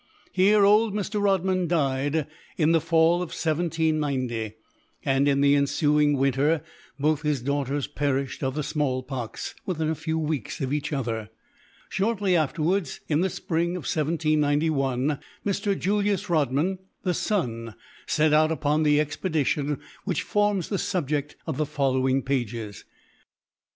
Here old Mr. Rodman died, in the fall of 1790; and, in the ensuing winter, both his daughters perished of the small pox, within a few weeks of each other. Shortly afterwards, (in the spring of 1791,) Mr. Julius Rodman, the son, set out upon the expedition which forms the subject of the following pages.